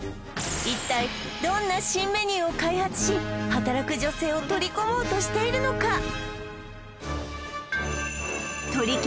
一体どんな新メニューを開発し働く女性を取り込もうとしているのか？